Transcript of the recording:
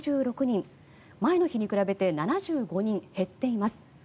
前の日に比べて７５人減っています。